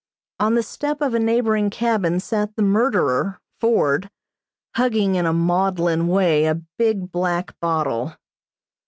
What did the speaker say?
On the step of a neighboring cabin sat the murderer, Ford, hugging in a maudlin way a big black bottle.